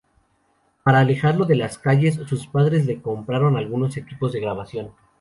Para alejarlo de las calles, sus padres le compraron algunos equipos de grabación.